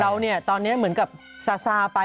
เราตอนนี้เหมือนกับซาไป